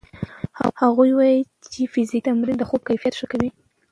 هغه وايي چې فزیکي تمرین د خوب کیفیت ښه کوي.